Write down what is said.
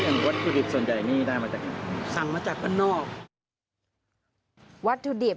อย่างวัตถุดิบส่วนใหญ่นี่ได้มาจากไหน